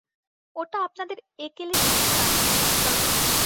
ওটা আপনাদের একেলে সংস্কার শ্রীশবাবু।